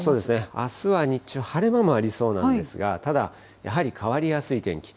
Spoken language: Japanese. あすは日中晴れ間もありそうなんですが、ただ、やはり変わりやすい天気。